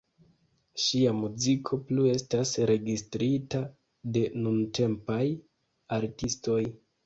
Ŝia muziko plu estas registrita de nuntempaj artistoj.